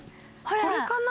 これかな？